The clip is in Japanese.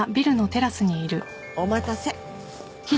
お待たせ。